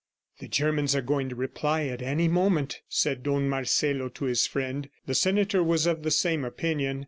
"The Germans are going to reply at any moment," said Don Marcelo to his friend. The senator was of the same opinion.